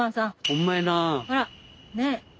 ほらねえ。